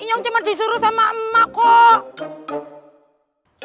yang cuma disuruh sama emak kok